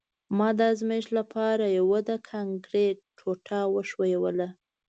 ما د ازمایښت لپاره یوه د کانکریټ ټوټه وښویوله